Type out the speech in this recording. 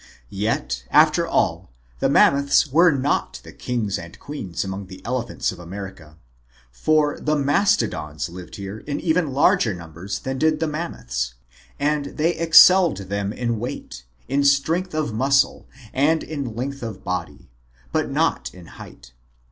Yet, after all, the Mammoths were not the kings and queens among the elephants of America. For the Mastodons lived here in even larger numbers than did the Mammoths, and they excelled them in weight, in 122 MIGHTY ANIMALS strength of muscle, ^nd in length of body, but not in height.